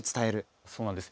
そうなんです。